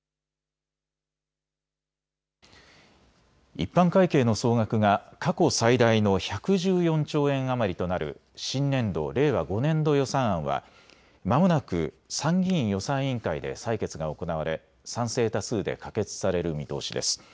一般会計の総額が過去最大の１１４兆円余りとなる新年度令和５年度予算案はまもなく参議院予算委員会で採決が行われ賛成多数で可決される見通しです。